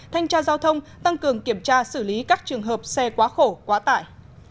thanh tra giao thông tăng cường kiểm tra xử lý các trường hợp xe quá khổ quá tải